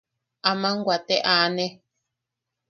Aman wate aane.